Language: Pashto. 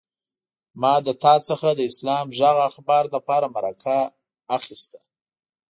ما له تا څخه د اسلام غږ اخبار لپاره مرکه اخيسته.